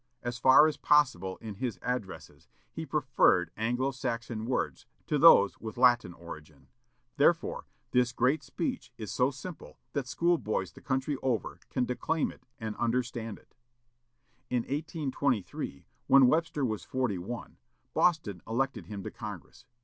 As far as possible in his addresses, he preferred Anglo Saxon words to those with Latin origin; therefore, this great speech is so simple that school boys the country over can declaim it and understand it. In 1823, when Webster was forty one, Boston elected him to Congress.